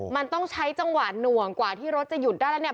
มันต้องใช้จังหวะหน่วงกว่าที่รถจะหยุดได้แล้วเนี่ย